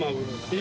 え